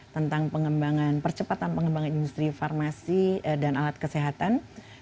tentang pengembangan percepatan pengembangan industri farmasi dan alat kesehatan